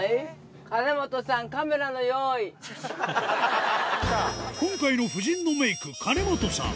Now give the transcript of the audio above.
金本さん、今回の夫人のメーク、金本さん。